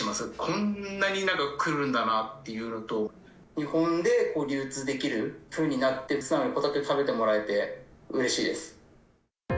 こんなに来るんだなっていうのと、日本で流通できる風になって、ホタテを食べてもらえてうれしいです。